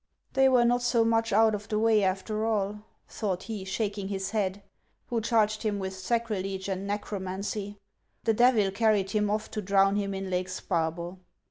" They were not so much out of the way, after all," thought he, shaking his head, " who charged him with sacrilege and necromancy. The Devil carried him off to drown him in Lake Sparbo.